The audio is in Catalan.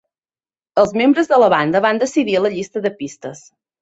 Els membres de la banda van decidir la llista de pistes.